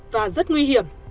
và rất nguy hiểm